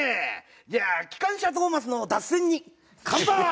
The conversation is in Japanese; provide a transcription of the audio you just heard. じゃあ『きかんしゃトーマス』の脱線に乾杯！